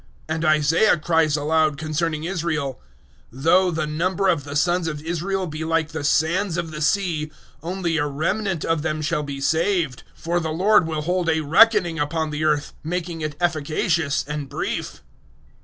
009:027 And Isaiah cries aloud concerning Israel, "Though the number of the sons of Israel be like the sands of the sea, only a remnant of them shall be saved; 009:028 for the Lord will hold a reckoning upon the earth, making it efficacious and brief."